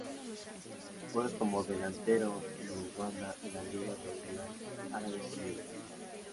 Juega como delantero en el Al-Wahda de la Liga de Emiratos Árabes Unidos.